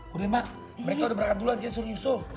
udah mak mereka udah beraduan kita suruh nyusul